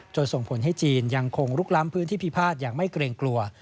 ส่งผลให้จีนยังคงลุกล้ำพื้นที่พิพาทอย่างไม่เกรงกลัว